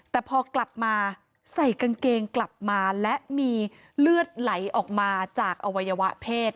แต่พอกลับมาใส่กางเกงกลับมาและมีเลือดไหลออกมาจากอวัยวะเพศ